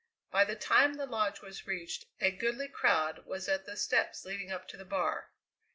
By the time the Lodge was reached a goodly crowd was at the steps leading up to the bar.